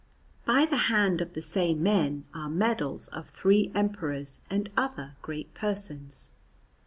By the hand of the same men are medals of three Emperors and other great persons.